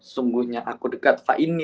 sungguhnya aku dekat